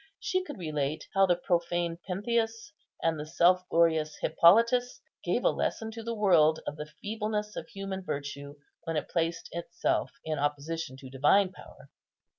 She could relate how the profane Pentheus and the self glorious Hippolytus gave a lesson to the world of the feebleness of human virtue when it placed itself in opposition to divine power.